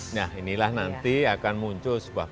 nah inilah nanti akan muncul sebuah